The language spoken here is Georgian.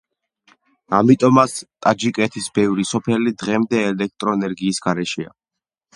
ამიტომაც ტაჯიკეთის ბევრი სოფელი დღემდე ელექტრო ენერგიის გარეშეა.